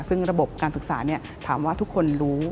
ซึ่งระบบการศึกษาถามว่าทุกคนรู้